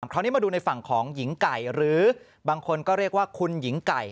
คราวนี้มาดูในฝั่งของหญิงไก่หรือบางคนก็เรียกว่าคุณหญิงไก่